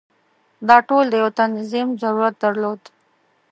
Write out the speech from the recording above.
دا ټول د یو تنظیم ضرورت درلود.